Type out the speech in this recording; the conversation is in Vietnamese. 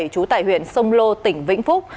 trú tại huyện sông lô tỉnh vĩnh phúc